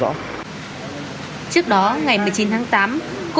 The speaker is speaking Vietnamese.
trước đó ngày một mươi chín tháng tám tôi đã bàn giao đối tượng xe ô tô cùng bộ giấy tờ